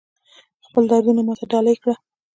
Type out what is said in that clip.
خپل دردونه ماته ډالۍ کړه